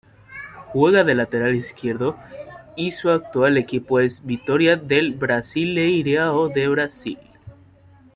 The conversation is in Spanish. Juega de lateral izquierdo y su actual equipo es Vitória del Brasileirão de Brasil.